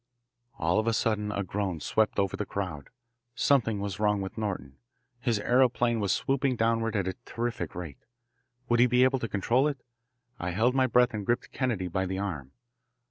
All of a sudden a groan swept over the crowd. Something was wrong with Norton. His aeroplane was swooping downward at a terrific rate. Would he be able to control it? I held my breath and gripped Kennedy by the arm.